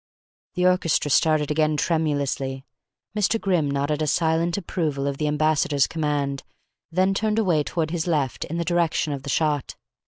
The orchestra started again tremulously. Mr. Grimm nodded a silent approval of the ambassador's command, then turned away toward his left, in the direction of the shot.